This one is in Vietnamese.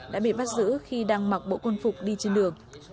đã bị bắt giữ khi đang mặc bộ quân phục đi trên đường